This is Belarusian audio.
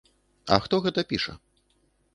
А хто гэта піша?